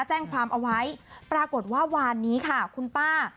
แจ้งความเอาไว้ปรากฏว่าวานนี้ค่ะคุณป้า